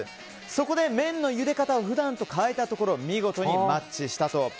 そこで、麺のゆで方を普段と変えたところ見事にマッチしたと。